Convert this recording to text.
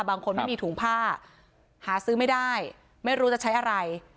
ไม่มีถุงผ้าหาซื้อไม่ได้ไม่รู้จะใช้อะไร